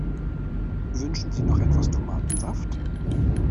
Wünschen Sie noch etwas Tomatensaft?